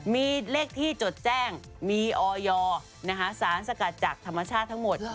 มีเลขที่จดแจ้งมีออยสารสกัดจากธรรมชาติทั้งหมด